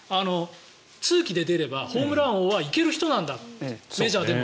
通期で出ればホームラン王はいける人なんだメジャーでも。